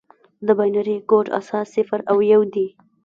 د بایونري کوډ اساس صفر او یو دي.